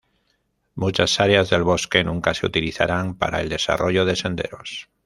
Muchas áreas del bosque nunca se utilizarán para el desarrollo de senderos.